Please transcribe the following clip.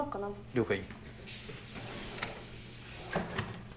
了解。